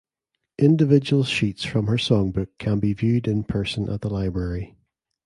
Individual sheets from her songbook can be viewed in person at the library.